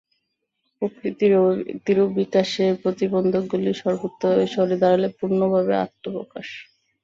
প্রকৃতির অভিব্যক্তির ও বিকাশের প্রতিবন্ধকগুলি সর্বতোভাবে সরে দাঁড়ালে পূর্ণভাবে আত্মপ্রকাশ।